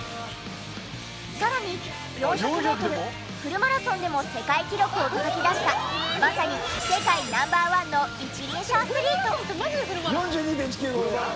さらに４００メートルフルマラソンでも世界記録をたたき出したまさに世界Ｎｏ．１の一輪車アスリート。４２．１９５